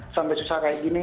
sampai susah seperti ini